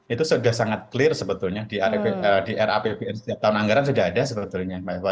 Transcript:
itu sudah sangat clear sebetulnya di rapbn setiap tahun anggaran sudah ada sebetulnya mbak eva